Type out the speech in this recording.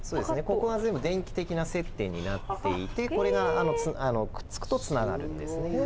ここが全部電気的な接点になっていてこれがくっつくとつながるんですね。